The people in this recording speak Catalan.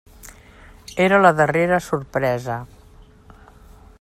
Era la darrera sorpresa.